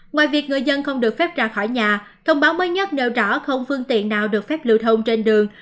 ngoài việc người dân không được phép ra khỏi nhà thông báo mới nhất nêu rõ không phương tiện nào được phép lưu thông trên đường